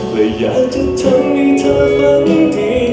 ว่ายากจะทำให้เธอฟังในที่